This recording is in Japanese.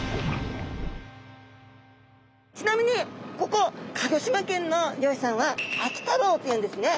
ちなみにここ鹿児島県の漁師さんは秋太郎と言うんですね。